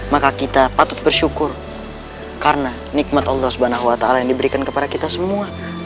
maka kita patut bersyukur karena nikmat allah swt yang diberikan kepada kita semua